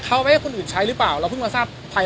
เพราะว่ามันเป็นการินประมาณด้วยการโฆษณา